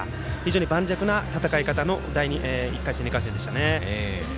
盤石な戦い方の１回戦、２回戦でした。